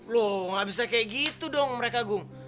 loh gak bisa kayak gitu dong mereka gung